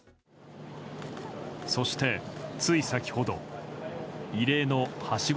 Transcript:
そして、つい先ほど異例のはしご